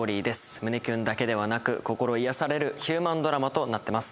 胸キュンだけではなく心癒やされるヒューマンドラマとなってます